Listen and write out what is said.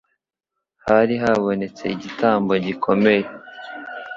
Hari habonetse igitambo gikomeye.